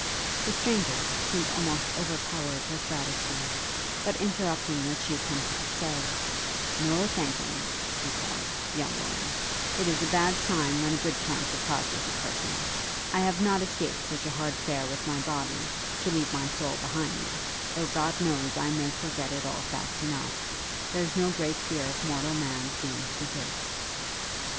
The stranger seemed almost overpowered with gratitude; but interrupting what she attempted to say, 'No thankings,' he cried, 'young woman! it's a bad sign when a good turn surprises a person. I have not escaped from such hard fare with my body, to leave my soul behind me; though, God knows, I may forget it all fast enough. There's no great fear of mortal man's being too good.'